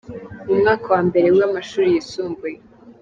mu mwaka wa mbere w’amashuri yisumbuye.